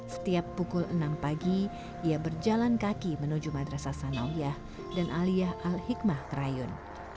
setiap pukul enam pagi ia berjalan kaki menuju madrasah sanawiyah dan aliyah al hikmah terayun